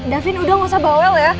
davin udah gak usah bawel ya